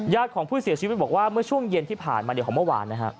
ของผู้เสียชีวิตบอกว่าเมื่อช่วงเย็นที่ผ่านมาเดี๋ยวของเมื่อวานนะฮะ